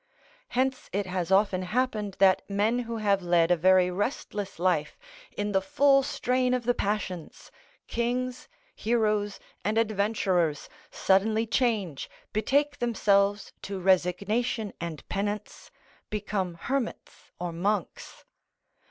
Hence it has often happened that men who have led a very restless life in the full strain of the passions, kings, heroes, and adventurers, suddenly change, betake themselves to resignation and penance, become hermits or monks.